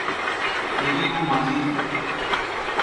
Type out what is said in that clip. لیکن وہ ماضی تھا۔